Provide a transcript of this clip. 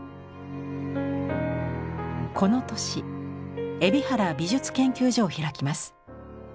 この年「海老原美術研究所」を開きます。